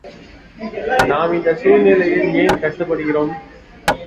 நாம் இந்தச் சூழ்நிலையில் ஏன் கஷ்டப்படுகிறோம்?